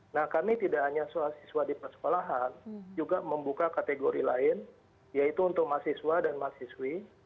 nah kami tidak hanya siswa di persekolahan juga membuka kategori lain yaitu untuk mahasiswa dan mahasiswi